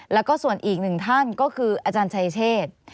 แล้วก็ส่วนอีกหนึ่งท่านก็คืออาจารย์ชัยเชษ